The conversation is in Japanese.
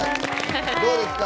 どうですか？